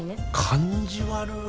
感じ悪ぅ。